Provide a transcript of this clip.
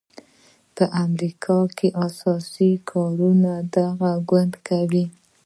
په امریکا کې اساسي کارونه دغه ګوند کوي.